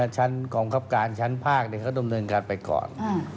ชั้นกองคับการชั้นภาคเขาดำเนินการไปก่อน